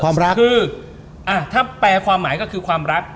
คือถ้าแปลความหมายก็คือความรัก